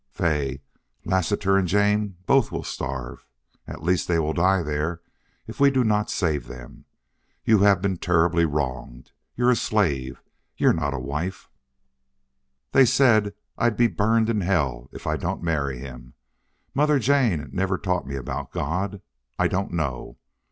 "Fay, Lassiter and Jane both will starve at least they will die there if we do not save them. You have been terribly wronged. You're a slave. You're not a wife." "They said I'll be burned in hell if I don't marry him.... Mother Jane never taught me about God. I don't know.